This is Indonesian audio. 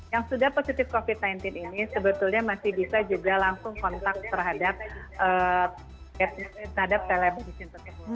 yang sudah positif covid sembilan belas ini sebetulnya masih bisa juga langsung kontak terhadap telemedicine tersebut